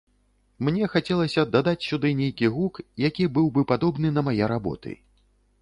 Мне хацелася дадаць сюды нейкі гук, які быў бы падобны на мае работы.